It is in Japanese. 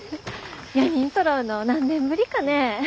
４人そろうの何年ぶりかね？